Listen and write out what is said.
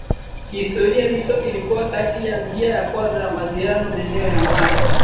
Kihistoria mito ilikuwa kati ya njia ya kwanza ya mawasiliano maeneo ya mbali